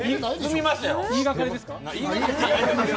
言いがかりですか？